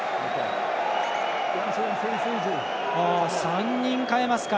３人代えますか。